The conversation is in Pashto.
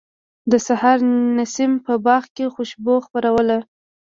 د سحر نسیم په باغ کې خوشبو خپروله.